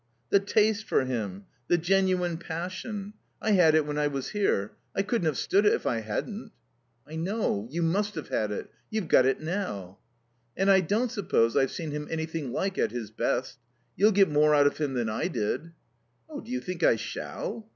"The taste for him. The genuine passion. I had it when I was here. I couldn't have stood it if I hadn't." "I know. You must have had it. You've got it now." "And I don't suppose I've seen him anything like at his best. You'll get more out of him than I did." "Oh, do you think I shall?"